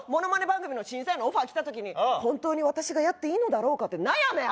番組の審査員のオファー来た時に「本当に私がやっていいのだろうか」って悩め！